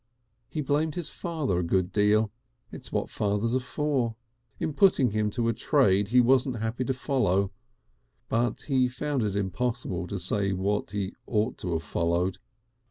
He blamed his father a good deal it is what fathers are for in putting him to a trade he wasn't happy to follow, but he found it impossible to say what he ought to have followed.